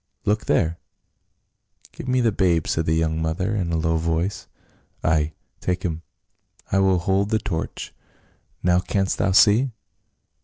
Look there !" "Give me the babe," said the young mother, in a low voice. " Ay, take him ; I will hold the torch. Now, canst thou see